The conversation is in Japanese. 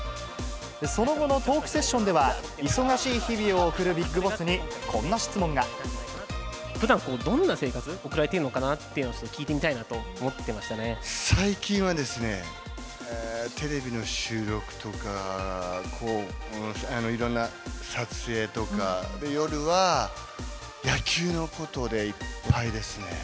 その後のトークセッションでは、忙しい日々を送るビッグボスに、こんな質問が。ふだん、どんな生活送られているのかなっていうのを、ちょっと聞いてみた最近はですね、テレビの収録とか、いろんな撮影とか、夜は野球のことでいっぱいですね。